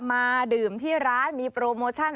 มาดื่มที่ร้านมีโปรโมชั่น